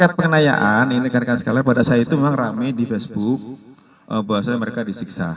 terkait pengenayaan ini dikatakan sekali pada saat itu memang rame di facebook bahwasanya mereka disiksa